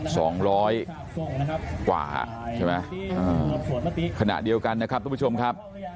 สองร้อยกว่าใช่ไหมอ่าขณะเดียวกันนะครับทุกผู้ชมครับ